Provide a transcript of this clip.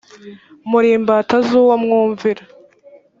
muri imbata z uwo mwumvira